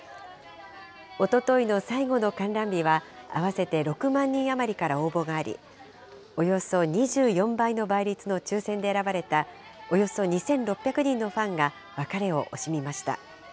おとといの最後の観覧日は、合わせて６万人余りから応募があり、およそ２４倍の倍率の抽せんで選ばれた、およそ２６００人のファンが別れを惜しみました。